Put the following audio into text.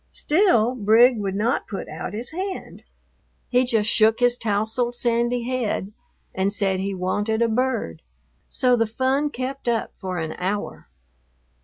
Still Brig would not put out his hand. He just shook his tousled sandy head and said he wanted a bird. So the fun kept up for an hour.